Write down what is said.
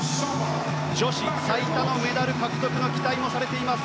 女子最多のメダル獲得の期待もされています。